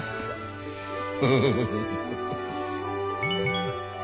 フフフフフ。